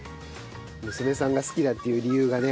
娘さんが好きだっていう理由がね